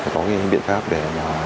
có biện pháp để